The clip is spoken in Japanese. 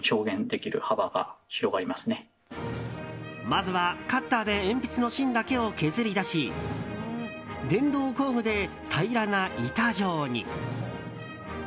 まずは、カッターで鉛筆の芯だけを削り出し電動工具で平らな板状に。